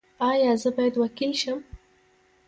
ایا زه باید وکیل شم؟